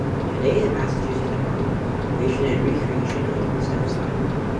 Today the Massachusetts Department of Conservation and Recreation owns and staffs the island.